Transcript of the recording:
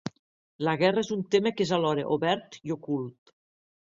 La guerra és un tema que és alhora obert i ocult.